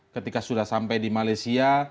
ketika sudah sampai di malaysia